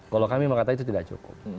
kalau dijampekan itu tidak cukup